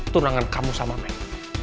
tunangan kamu sama mel